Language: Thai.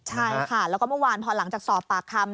ใช่ค่ะแล้วก็เมื่อวานพอหลังจากสอบปากคำ